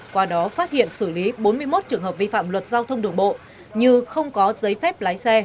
qua đó phát hiện xử lý bốn mươi một trường hợp vi phạm luật giao thông đường bộ như không có giấy phép lái xe